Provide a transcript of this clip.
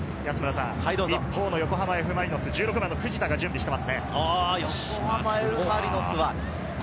横浜Ｆ・マリノス、１６番・藤田が準備しています。